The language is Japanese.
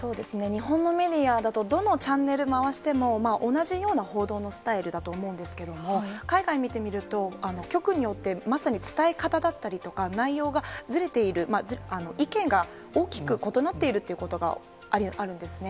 日本のメディアだと、どのチャンネル回しても同じような報道のスタイルだと思うんですけれども、海外見てみると、局によってまさに伝え方だったりとか、内容がずれている、意見が大きく異なっていることがあるんですね。